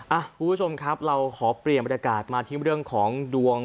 คุณผู้ชมครับเราขอเปลี่ยนบรรยากาศมาที่เรื่องของดวง